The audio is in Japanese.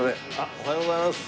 おはようございます。